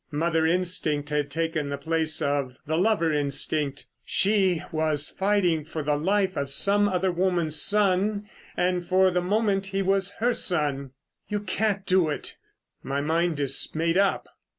Mother instinct had taken the place of the lover instinct. She was fighting for the life of some other woman's son, and for the moment he was her son. "You can't do it!" "My mind is made up."